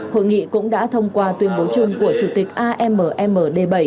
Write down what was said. hội nghị cũng đã thông qua tuyên bố chung của chủ tịch ammd bảy